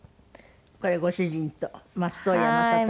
これご主人と松任谷正隆さん。